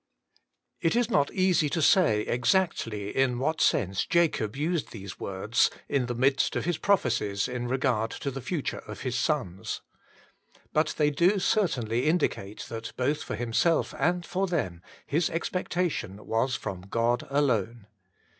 IT is not easy to say exactly in what sense Jacob used these words, in the midst of his prophecies in regard to the future of his sons. But they do certainly indicate that both for himself and for them his expectation was from God alone.